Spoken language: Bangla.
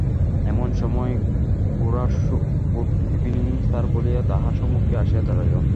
এমন সময় গোরা গুড ঈভনিং সার বলিয়া তাঁহার সম্মুখে আসিয়া দাঁড়াইল।